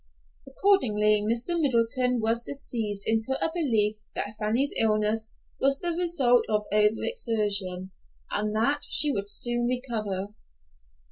Accordingly, Mr. Middleton was deceived into a belief that Fanny's illness was the result of over exertion, and that she would soon recover.